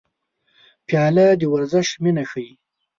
پیاله د دروېش مینه ښيي.